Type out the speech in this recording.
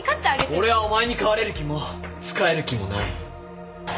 俺はお前に飼われる気も仕える気もない。